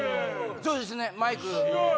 そうですねマイク。